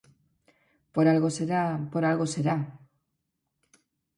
Por algo será, por algo será.